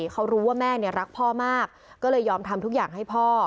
เขารู้ว่าแม่รักพ่อมากก็เลยยอมทำทุกอย่างให้พ่อ